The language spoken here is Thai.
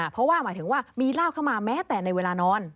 เพราะว่าหมายถึงว่ามีเหล้าเข้ามาแม้แต่ในเวลานอน